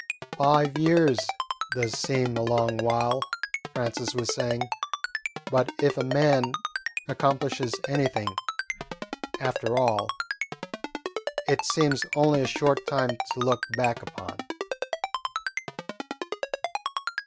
"Five years does seem a long while," Francis was saying, "but if a man accomplishes anything, after all, it seems only a short time to look back upon."